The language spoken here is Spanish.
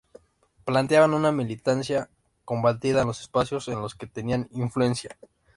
Planteaban una militancia combativa en los espacios en los que tenía influencia.